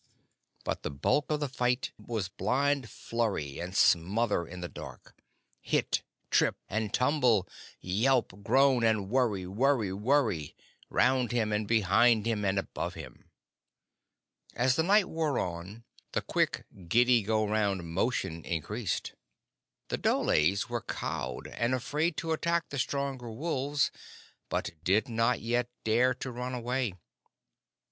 But the bulk of the fight was blind flurry and smother in the dark; hit, trip, and tumble, yelp, groan, and worry worry worry, round him and behind him and above him. As the night wore on, the quick, giddy go round motion increased. The dholes were cowed and afraid to attack the stronger wolves, but did not yet dare to run away.